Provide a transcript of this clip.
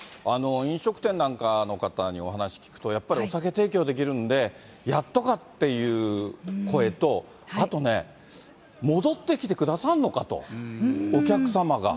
飲食店なんかの方にお話聞くと、やっぱりお酒提供できるんで、やっとかっていう声と、あとね、戻ってきてくださるのかと、お客様が。